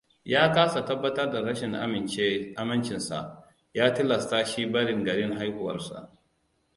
Ya kasa tabbatar da rashin amincin sa, ya tilasta shi barin garin haihuwarsa.